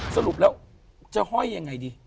สรุปแล้วจะห้อยยังไงดี